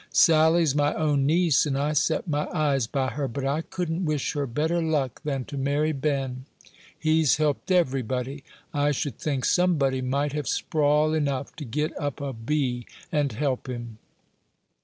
Sally's my own niece, and I set my eyes by her; but I couldn't wish her better luck than to marry Ben. He's helped everybody; I should think somebody might have sprawl enough to get up a 'bee' and help him."